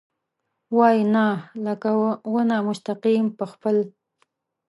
وايي ، نه ، لکه ونه مستقیم په خپل ...